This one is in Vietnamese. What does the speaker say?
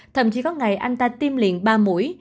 thậm chí có ngày anh ta tiêm liền ba mũi